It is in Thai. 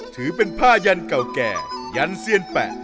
ถือเป็นผ้ายันเก่าแก่ยันเซียนแปะ